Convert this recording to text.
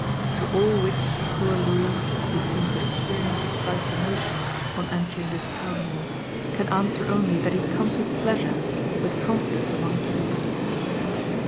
To all which poor Louis, who seemed to "experience a slight emotion" on entering this Townhall, can answer only that he 'comes with pleasure, with confidence among his people.